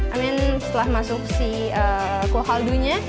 i mean setelah masuk si kuah kaldunya